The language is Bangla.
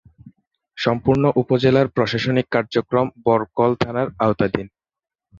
সম্পূর্ণ উপজেলার প্রশাসনিক কার্যক্রম বরকল থানার আওতাধীন।